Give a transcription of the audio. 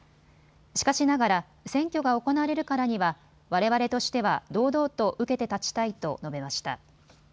しかしながら選挙が行われるからにはわれわれとしては堂々と受けて立ちたいと述べました。